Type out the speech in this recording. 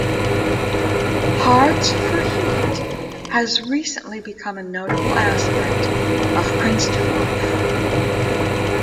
Hearts for Heat has recently become a notable aspect of Princeton life.